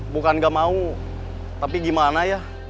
bukan gak mau tapi gimana ya